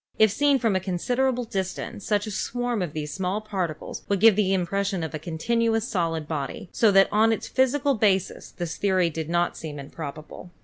If seen from a considerable distance such a swarm of these small particles would give the impression of a continuous solid body, so that on its physical basis this theory did not seem improbable.